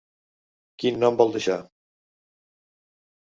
Quin nom vol deixar?